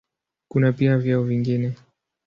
Kuna pia vyeo vingine.